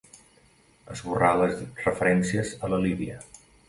Esborrà les referències a la Lídia.